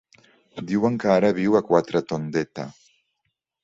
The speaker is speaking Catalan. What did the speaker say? Diuen que ara viu a Quatretondeta.